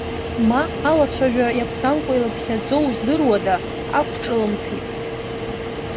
Ма алацәажәара иаԥсамкәа илыԥхьаӡоу здыруада, ақәҿылмҭит.